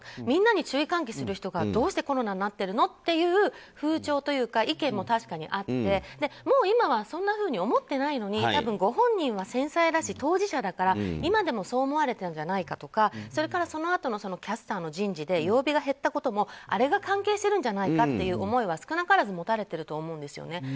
みんなに注意喚起する人がどうしてコロナになってるのという風潮というか意見も確かにあって、もう今はそんなふうに思ってないのにたぶんご本人は繊細だし当事者だから、今でもそう思われているんじゃないのかとかそれからそのあとのキャスターの人事で曜日が減ったこともあれが関係しているんじゃないかという思いは少なからず持たれていると思うんですね。